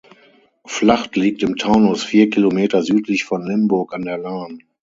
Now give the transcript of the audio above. Flacht liegt im Taunus vier Kilometer südlich von Limburg an der Lahn.